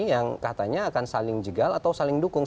yang katanya akan saling jegal atau saling dukung